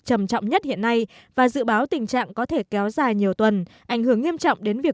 trầm trọng nhất hiện nay và dự báo tình trạng có thể kéo dài nhiều tuần ảnh hưởng nghiêm trọng đến việc